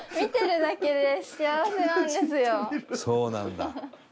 「そうなんだ」